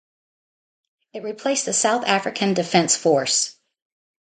It replaced the South African Defence Force.